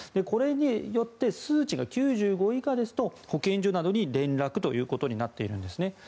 これによって数値が９５以下ですと保健所などに連絡ということになっているんですね。